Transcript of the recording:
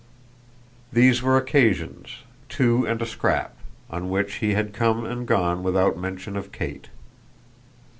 These were occasions two and a scrap on which he had come and gone without mention of Kate.